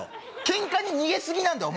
ケンカに逃げすぎなんだよ